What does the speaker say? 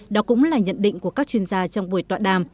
đó cũng là nhận định của các chuyên gia trong buổi tọa đàm